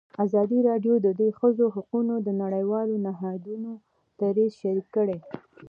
ازادي راډیو د د ښځو حقونه د نړیوالو نهادونو دریځ شریک کړی.